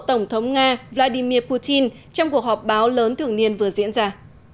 tổng thống nga vladimir putin trong cuộc họp báo lớn của nga vào tháng một mươi một năm hai nghìn một mươi chín